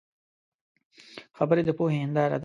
خبرې د پوهې هنداره ده